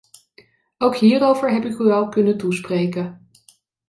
Ook hierover heb ik u al kunnen toespreken.